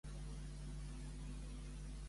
Per què van es van mudar a la tenda de mobiliari?